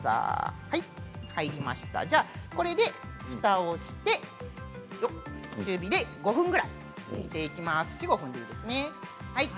これでふたをして中火で５分ぐらい煮ていきます。